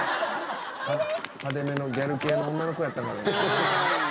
派手めのギャル系の女の子やったからな。